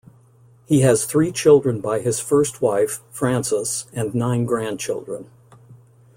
He has three children by his first wife Frances and nine grandchildren.